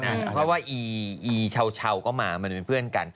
เพราะว่าอีชาวก็มามันเป็นเพื่อนกัน